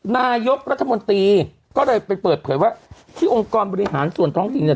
นายกรัฐมนตรีก็เลยไปเปิดเผยว่าที่องค์กรบริหารส่วนท้องถิ่นเนี่ย